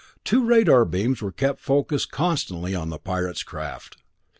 The two radar beams were kept focused constantly on the Pirate's craft.